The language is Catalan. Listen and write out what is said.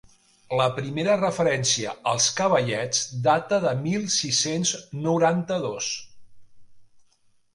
La primera referència als cavallets data de mil sis-cents noranta-dos.